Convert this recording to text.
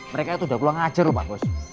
mereka itu udah pulang ngajar pak bos